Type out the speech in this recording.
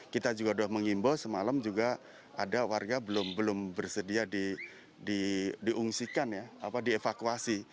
kita juga sudah menghimbau semalam juga ada warga belum bersedia diungsikan ya di evakuasi